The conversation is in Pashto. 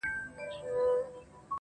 o نه ماتېږي مي هیڅ تنده بې له جامه,